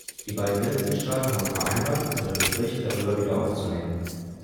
Die beiden Mitgliedstaaten haben vereinbart, ihre Gespräche darüber wiederaufzunehmen.